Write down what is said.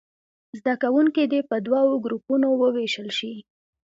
زده کوونکي دې په دوو ګروپونو ووېشل شي.